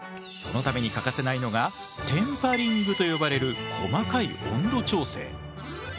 そのために欠かせないのがテンパリングと呼ばれる細かい温度調整。